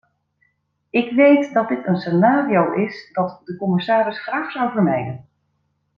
Ik weet dat dit een scenario is dat de commissaris graag zou vermijden.